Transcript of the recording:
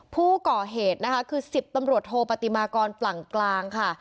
ผู้ก่อเหตุนะคะคือ๑๐ตำรวจโทปฏิมากรปลั่งกลางค่ะ